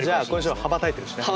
羽ばたいてるしね。